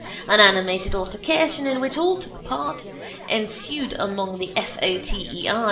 An animated altercation (in which all took part) ensued among the F. O. T. E. I.